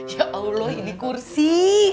ya allah ini kursi